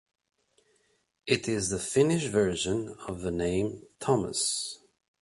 It is the Finnish version of the name Thomas.